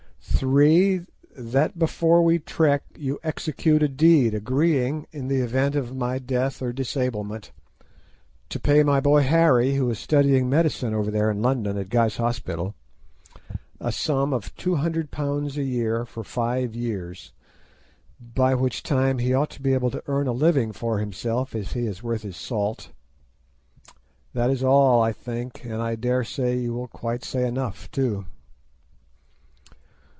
"3. That before we trek you execute a deed agreeing, in the event of my death or disablement, to pay my boy Harry, who is studying medicine over there in London, at Guy's Hospital, a sum of £200 a year for five years, by which time he ought to be able to earn a living for himself if he is worth his salt. That is all, I think, and I daresay you will say quite enough too."